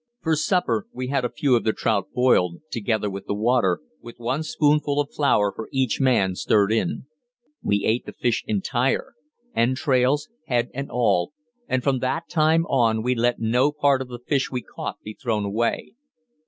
For supper we had a few of the trout boiled, together with the water, with one spoonful of flour for each man stirred in. We ate the fish entire, entrails, head, and all, and from that time on we let no part of the fish we caught be thrown away.